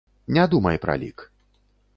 Не думай пра лік.